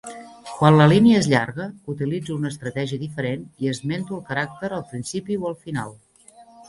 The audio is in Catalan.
Quan la línia és llarga, utilitzo una estratègia diferent i esmento el caràcter al principi o al final.